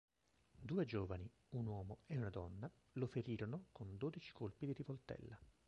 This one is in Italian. Due giovani, un uomo e una donna, lo ferirono con dodici colpi di rivoltella.